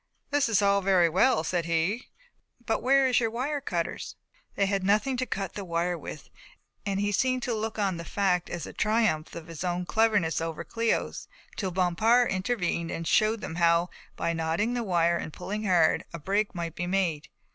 "This is all very well," said he, "but where is your wire cutters?" They had nothing to cut the wire with, and he seemed to look on the fact as a triumph of his own cleverness over Cléo's, till Bompard intervened and shewed how, by knotting the wire and pulling hard, a break might be made.